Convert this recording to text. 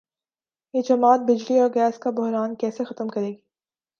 یہ جماعت بجلی اور گیس کا بحران کیسے ختم کرے گی؟